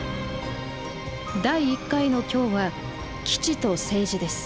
第１回の今日は「基地と政治」です。